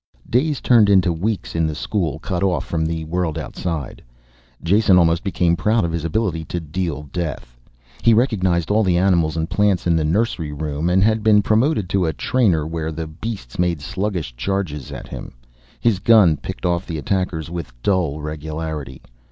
Days turned into weeks in the school, cut off from the world outside. Jason almost became proud of his ability to deal death. He recognized all the animals and plants in the nursery room and had been promoted to a trainer where the beasts made sluggish charges at him. His gun picked off the attackers with dull regularity.